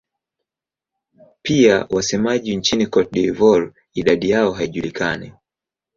Pia kuna wasemaji nchini Cote d'Ivoire; idadi yao haijulikani.